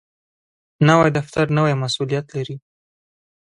نوی دفتر نوی مسؤولیت لري